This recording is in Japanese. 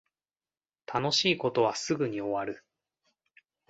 楽しい事はすぐに終わる